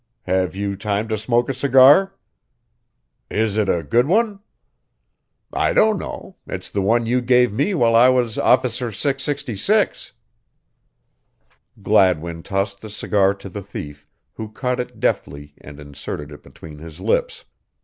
"Have you time to smoke a cigar?" "Is it a good one?" "I don't know it's the one you gave me while I was Officer 666." Gladwin tossed the cigar to the thief, who caught it deftly and inserted it between his lips.